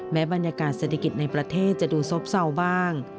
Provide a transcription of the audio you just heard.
บรรยากาศเศรษฐกิจในประเทศจะดูซบเศร้าบ้าง